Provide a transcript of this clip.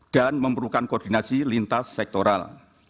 dan memerlukan koordinasi lintas sektoral